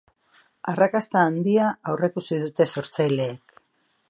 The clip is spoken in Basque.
Arrakasta handia aurreikusi dute sortzaileek.